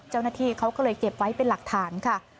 เจ้าหน้าที่เขาก็เลยเก็บไว้เป็นหลักฐานค่ะ